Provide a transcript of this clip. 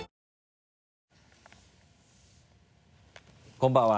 こんばんは。